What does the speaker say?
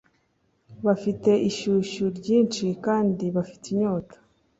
bafite ishyushyu ryinshi, kandi bafite inyota